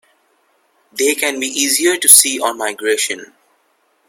They can be easier to see on migration.